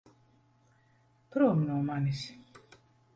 Prom no manis!